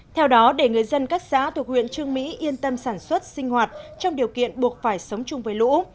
theo đó để người dân các xã thuộc huyện trương mỹ yên tâm sản xuất sinh hoạt trong điều kiện buộc phải sống chung với lũ